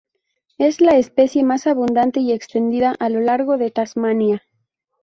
Es la especie más abundante y extendida a lo largo de Tasmania.